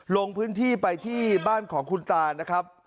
ลงพื้นที่ไปที่บ้านของคุณตานะครับ